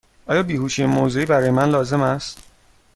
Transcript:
آیا بیهوشی موضعی برای من لازم است؟